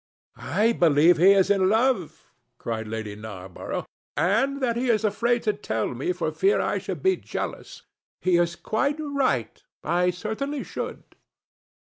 "I believe he is in love," cried Lady Narborough, "and that he is afraid to tell me for fear I should be jealous. He is quite right. I certainly should."